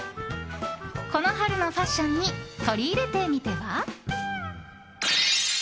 この春のファッションに取り入れてみては？